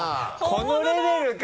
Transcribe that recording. このレベルか。